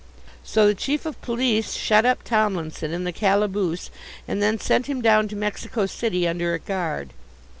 So the Chief of Police shut up Tomlinson in the calaboose and then sent him down to Mexico City under a guard.